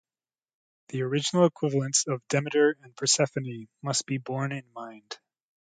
The original equivalence of Demeter and Persephone must be borne in mind.